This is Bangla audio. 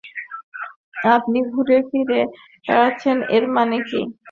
আপনি ঘুরেফিরে বেড়াচ্ছেন এর মানে কী?